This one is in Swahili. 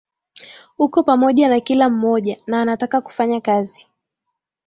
uko pamoja na kila mmoja na anataka kufanya kazi